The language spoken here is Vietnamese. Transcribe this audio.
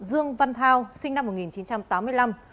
dương văn thao sinh năm một nghìn chín trăm tám mươi năm